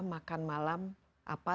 makan malam apa